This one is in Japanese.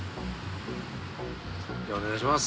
じゃお願いします。